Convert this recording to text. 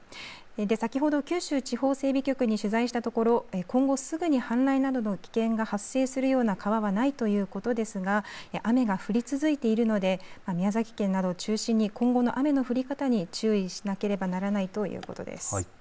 先ほど九州地方整備局に取材したところ今後、すぐに氾濫などの危険が発生するような川はないということですが雨が降り続いているので宮崎県などを中心に今後の雨の降り方に注意しなければならないということです。